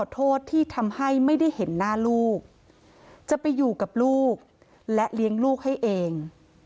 โทษที่ทำให้ไม่ได้เห็นหน้าลูกจะไปอยู่กับลูกและเลี้ยงลูกให้เอง